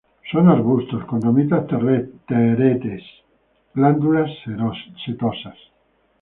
Son arbustos; con ramitas teretes, glandular-setosas.